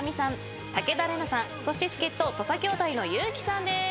武田玲奈さんそして助っ人土佐兄弟の有輝さんです。